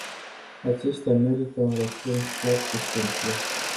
Aceștia merită un răspuns clar și simplu.